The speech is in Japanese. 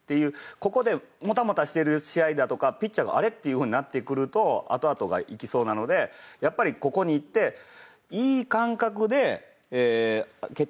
ここでモタモタしてる試合だとかピッチャーが「あれ？」っていうふうになってくると後々がいきそうなのでやっぱりここにいっていい感覚で開けてこの辺りに調整を持っていきたい